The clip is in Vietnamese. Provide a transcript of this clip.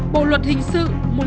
bộ luật hình sự